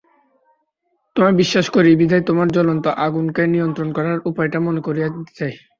তোমায় বিশ্বাস করি বিধায় তোমার জ্বলন্ত আগুনকে নিয়ন্ত্রণ করার উপায়টা মনে করিয়ে দিতে চাই।